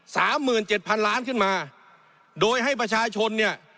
สามหมื่นเจ็ดพันล้านขึ้นมาโดยให้ประชาชนเนี่ย